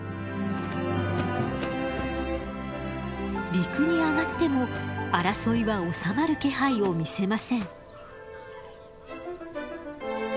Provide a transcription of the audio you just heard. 陸に上がっても争いは収まる気配を見せません。